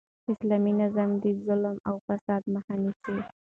اسلامي نظام د ظلم او فساد مخ نیسي.